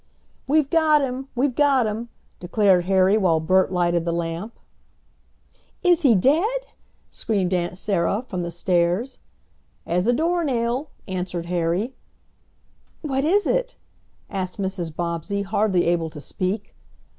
"We've got him' We've got him!" declared Harry, while Bert lighted the lamp. "Is he dead?" screamed Aunt Sarah from the stairs. "As a door nail!" answered Harry. "What is it?" asked Mrs. Bobbsey, hardly able to speak.